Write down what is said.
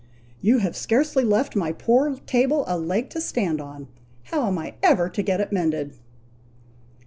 You have scarcely left my poor table a leg to stand upon! How am I ever to get it mended?"